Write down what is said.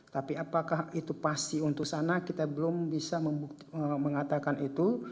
tapi apakah itu pasti untuk sana kita belum bisa mengatakan itu